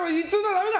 ダメだ！